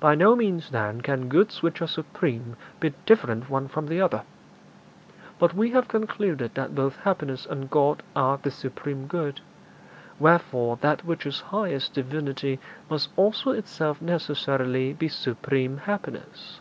By no means, then, can goods which are supreme be different one from the other. But we have concluded that both happiness and God are the supreme good; wherefore that which is highest Divinity must also itself necessarily be supreme happiness.'